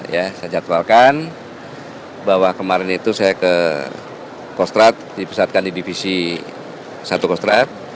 ya saya jadwalkan bahwa kemarin itu saya ke kostrad dipusatkan di divisi satu kostrad